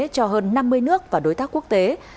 cho hơn năm mươi nước và đối tác quốc tế